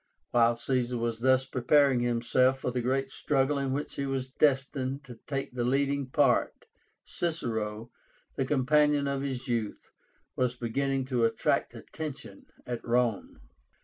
While Caesar was thus preparing himself for the great struggle in which he was destined to take the leading part, Cicero, the companion of his youth, was beginning to attract attention at Rome.